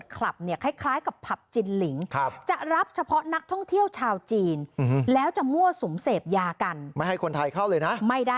ครับนี่มันอนุญาตให้คนไทยเข้าเลยนะฮะ